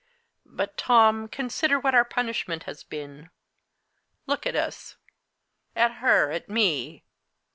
But, Tom, consider what our punishment has been. Look at us at her, at me.